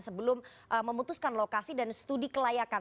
sebelum memutuskan lokasi dan studi kelayakan